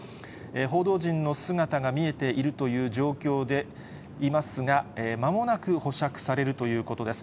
報道陣の姿が見えているという状況でいますが、まもなく保釈されるということです。